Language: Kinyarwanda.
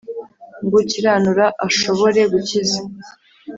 ngo ukiranura ashobore gukiza